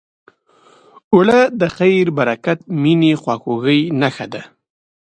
اوړه د خیر، برکت، مینې، خواخوږۍ نښه ده